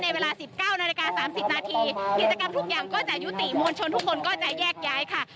ในเวลา๑๙นาฬิกา๓๐นาทีกิจกรรมทุกอย่างก็จะยุติมวลชนทุกคนก็จะแยกย้ายค่ะ